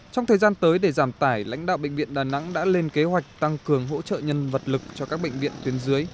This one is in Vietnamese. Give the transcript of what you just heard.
trong thời gian tới để giảm tải lãnh đạo bệnh viện đà nẵng đã lên kế hoạch tăng cường hỗ trợ nhân vật lực cho các bệnh viện tuyến dưới